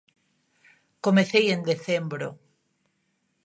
Comecei en decembro.